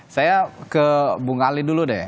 saya ke bung ali dulu deh